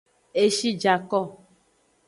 Eshi ja ko.